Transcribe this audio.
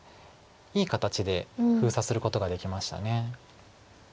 いい形で封鎖することができました。